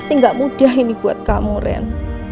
ini gak mudah ini buat kamu ren